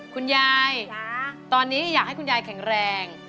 คุณยายตอนนี้อยากให้คุณยายแข็งแรง